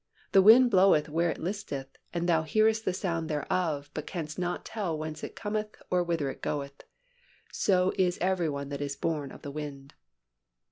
The wind bloweth where it listeth and thou hearest the sound thereof, but canst not tell whence it cometh or whither it goeth: so is every one that is born of the 'Wind.